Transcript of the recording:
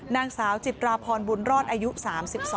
นางสาวจิตราพรบุญรอดอายุ๓๒